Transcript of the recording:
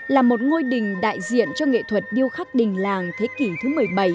là một ngôi đình đại diện cho nghệ thuật điêu khắc đình làng thế kỷ thứ một mươi bảy